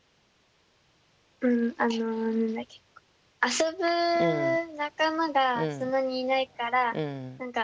うんあの遊ぶ仲間がそんなにいないから何か。